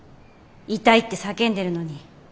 痛いって叫んでるのに。